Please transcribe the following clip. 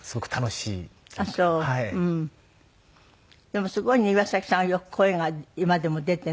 でもすごいね岩崎さんはよく声が今でも出てね。